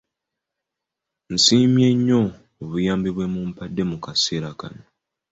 Nsiimye nnyo obuyambi bwe mumpadde mu kaseera kano.